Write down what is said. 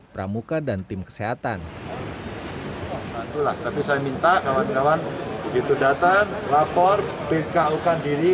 pramuka dan tim kesehatan bantulah tapi saya minta kawan kawan begitu datang lapor bko kan diri